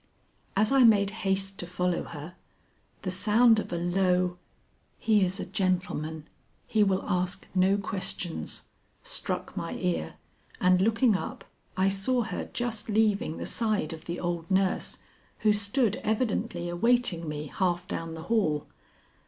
As I made haste to follow her, the sound of a low, "He is a gentleman, he will ask no questions," struck my ear, and looking up, I saw her just leaving the side of the old nurse who stood evidently awaiting me half down the hall.